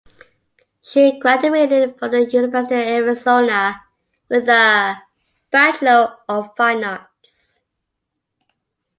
She graduated from the University of Arizona with a Bachelor of Fine Arts.